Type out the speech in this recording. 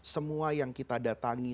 semua yang kita datangi